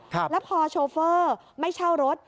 แล้วพอโชเฟอร์ไม่เช่ารถ